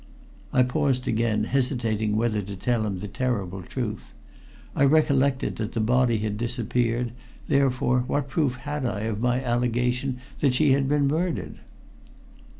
I paused again, hesitating whether to tell him the terrible truth. I recollected that the body had disappeared, therefore what proof had I of my allegation that she had been murdered?